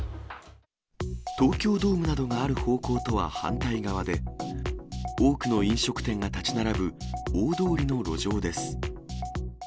東京ドームなどがある方向とは反対側で、多くの飲食店が建ち並ぶ大通りの路上です。